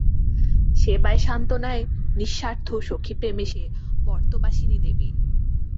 সেবায় সান্ত্বনায়, নিঃস্বার্থ সখীপ্রেমে সে মর্তবাসিনী দেবী।